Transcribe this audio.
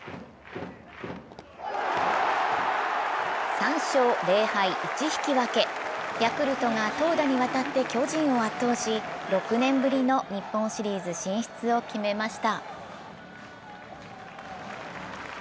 ３勝０敗１引き分け、ヤクルトが投打にわたって巨人を圧倒し、６年ぶりの日本シリーズ進出を決めました。